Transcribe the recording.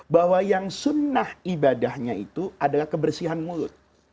bahwa yang sunnah ibadahnya itu adalah kebersihan mulut